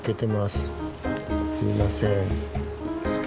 すいません。